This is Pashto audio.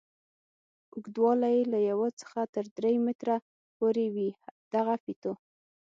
اوږدوالی یې له یوه څخه تر درې متره پورې وي دغه فیتو.